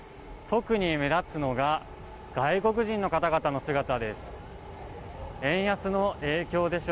特に目立つのが外国人の方々の姿です。